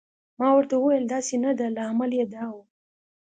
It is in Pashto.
ما ورته وویل: داسې نه ده، لامل یې دا و.